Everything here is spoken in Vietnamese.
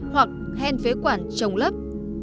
hoặc hen phế quản trồng lớp